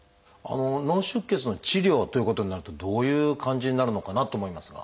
脳出血の治療ということになるとどういう感じになるのかなと思いますが。